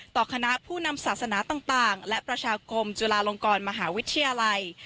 คณะผู้นำศาสนาต่างและประชาคมจุฬาลงกรมหาวิทยาลัย